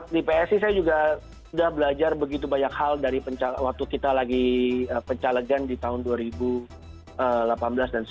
di psi saya juga sudah belajar begitu banyak hal dari waktu kita lagi pencalegan di tahun dua ribu delapan belas dan sembilan belas